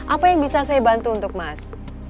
apa yang bisa saya bantu untuk mas